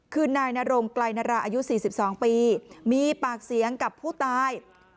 คือนายนรงไกลนราอายุ๔๒ปีมีปากเสียงกับผู้ตาย